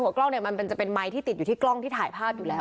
กล้องเนี่ยมันจะเป็นไมค์ที่ติดอยู่ที่กล้องที่ถ่ายภาพอยู่แล้ว